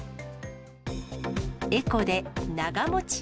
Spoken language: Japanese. エコで長もち。